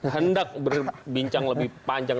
hendak berbincang lebih panjang